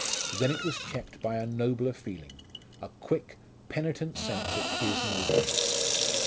Then it was checked by a nobler feeling a quick, penitent sense of his nobleness.